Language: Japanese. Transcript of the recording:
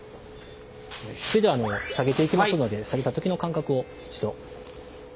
それでは下げていきますので下げた時の感覚を一度。